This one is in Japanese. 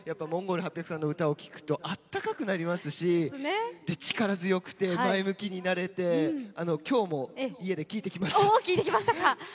ＭＯＮＧＯＬ８００さんの歌を聴くとあったかくなりますし力強くて前向きになれて今日も家で聴いてきました。